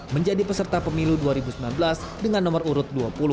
menjadi peserta pemilu dua ribu sembilan belas dengan nomor urut dua puluh